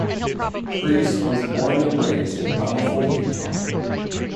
Priest was born and raised in Bountiful, Utah.